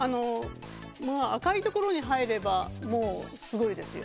赤いところに入ればすごいですよ、